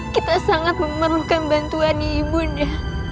kita sangat memerlukan bantuan ibunda